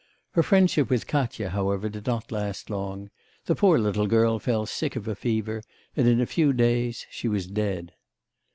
Her friendship with Katya, however, did not last long; the poor little girl fell sick of fever, and in a few days she was dead.